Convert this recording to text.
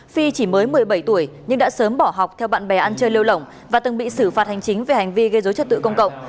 phi chỉ mới một mươi bảy tuổi nhưng đã sớm bỏ học theo bạn bè ăn chơi lêu lỏng và từng bị xử phạt hành chính về hành vi gây dối trật tự công cộng